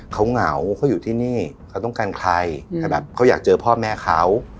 เขาเหงาเขาอยู่ที่นี่เขาต้องการใครแต่แบบเขาอยากเจอพ่อแม่เขา